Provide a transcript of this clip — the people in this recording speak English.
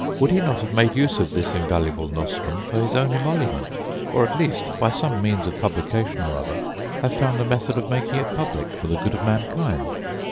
Would he not have made use of this invaluable nostrum for his own emolument; or, at least, by some means of publication or other, have found a method of making it public for the good of mankind